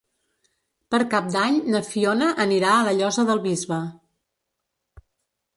Per Cap d'Any na Fiona anirà a la Llosa del Bisbe.